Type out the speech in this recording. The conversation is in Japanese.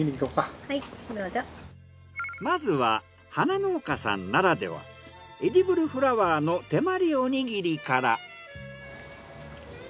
まずは花農家さんならではエディブルフラワーの手まりおにぎりから。